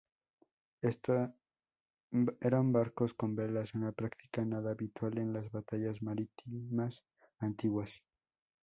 Eran barcos con velas, una práctica nada habitual en las batallas marítimas antiguas.